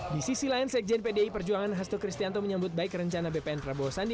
di sisi lain sekjen pdi perjuangan hasto kristianto menyambut baik rencana bpn prabowo sandi